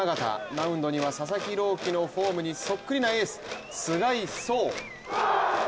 マウンドには佐々木朗希のフォームにそっくりなエース菅井颯。